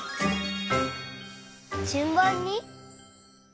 じゅんばんに？